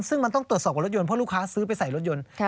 ซึ่งมันต้องตรวจสอบกับรถยนต์เพราะลูกค้าซื้อไปใส่รถยนต์